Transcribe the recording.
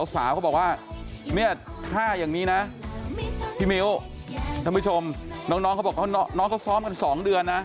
เขาบอกว่าเนี่ยถ้าอย่างนี้นะพี่มิ้วท่านผู้ชมน้องเขาบอกน้องเขาซ้อมกัน๒เดือนนะ